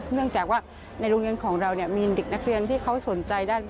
เนื่องจากว่าในโรงเรียนของเรามีเด็กนักเรียนที่เขาสนใจด้าน